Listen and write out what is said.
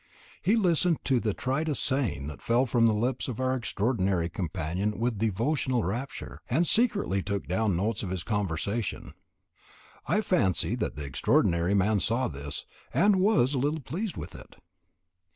He listened to the tritest saying that fell from the lips of our extraordinary companion with devotional rapture, and secretly took down notes of his conversation. I fancy that the extraordinary man saw this, and was a little pleased with it.